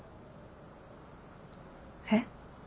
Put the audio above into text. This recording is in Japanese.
えっ？